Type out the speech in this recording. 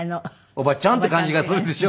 おばちゃんっていう感じがするでしょ？